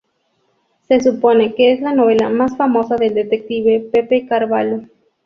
Se supone que es la novela más famosa del detective Pepe Carvalho.